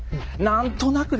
何となく。